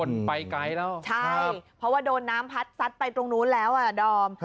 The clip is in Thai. ใช่เพราะว่าโดนน้ำพัดซัดไปตรงนู้นแล้วอ่ะดอม